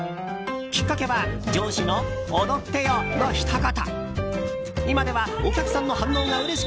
きっかけは上司の「踊ってよ」のひと言。